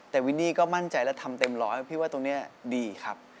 แต่วินดี้ก็มั่นใจและทำเต็มร้อยพี่ว่าตรงนี้ดีครับ